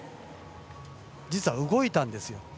実は動いたんですよ。